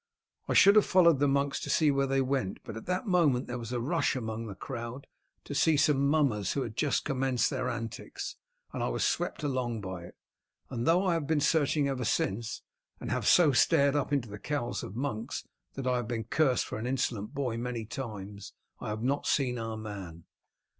I should have followed the monks to see where they went, but at that moment there was a rush among the crowd to see some mummers who had just commenced their antics, and I was swept along by it; and though I have been searching ever since, and have so stared up into the cowls of monks, that I have been cursed as an insolent boy many times, I have not seen our man."